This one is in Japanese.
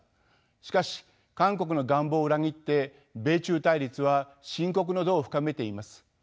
しかし韓国の願望を裏切って米中対立は深刻の度を深めています。